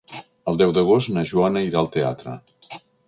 El deu d'agost na Joana irà al teatre.